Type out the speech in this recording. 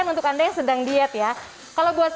bisa mencoba menggunakan kaki yang berkualitas